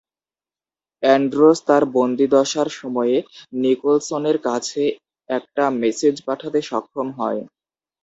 Andros তার বন্দীদশার সময়ে নিকোলসনের কাছে একটা মেসেজ পাঠাতে সক্ষম হয়।